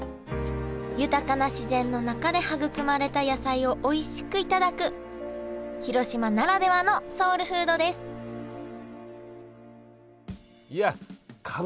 豊かな自然の中で育まれた野菜をおいしく頂く広島ならではのソウルフードですいやカブっといきたいね！